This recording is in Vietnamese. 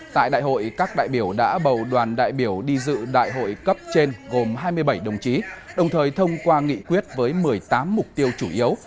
tại đại hội các đại biểu đã bầu đoàn đại biểu đi dự đại hội cấp trên gồm hai mươi bảy đồng chí đồng thời thông qua nghị quyết với một mươi tám mục tiêu chủ yếu